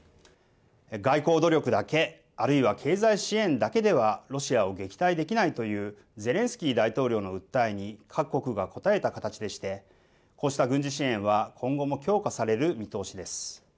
外交努力だけ、あるいは経済支援だけでは、ロシアを撃退できないという、ゼレンスキー大統領の訴えに各国が応えた形でして、こうした軍事支援は今後も強化される見通しです。